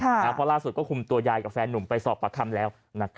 เพราะล่าสุดก็คุมตัวยายกับแฟนหนุ่มไปสอบประคำแล้ว